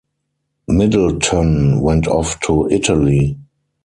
Middleton went off to Italy.